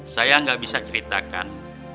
saya tidak bisa menceritakan